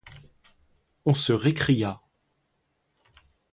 On se récria.